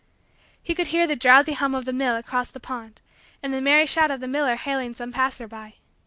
He could hear the drowsy hum of the mill across the pond and the merry shout of the miller hailing some passer by.